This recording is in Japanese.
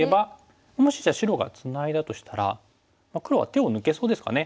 もしじゃあ白がツナいだとしたらまあ黒は手を抜けそうですかね。